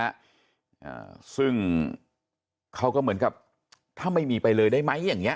อ่าซึ่งเขาก็เหมือนกับถ้าไม่มีไปเลยได้ไหมอย่างเงี้